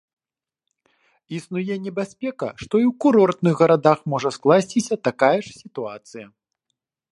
Існуе небяспека, што і ў курортных гарадах можа скласціся такая ж сітуацыя.